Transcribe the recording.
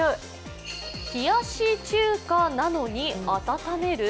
冷やし中華なのに温める？